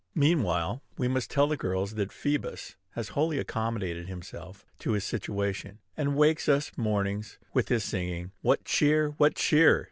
Meanwhile, we must tell the girls that Phoebus has wholly accommodated himself to his situation, and wakes us, mornings, with his singing. "What cheer! what cheer!"